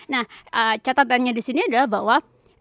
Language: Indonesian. nah catatannya disini adalah bahwa